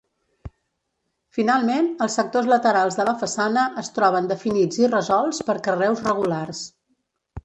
Finalment, els sectors laterals de la façana, es troben definits i resolts per carreus regulars.